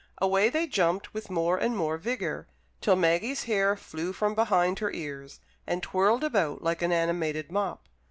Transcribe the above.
Away they jumped with more and more vigour, till Maggie's hair flew from behind her ears, and twirled about like an animated mop.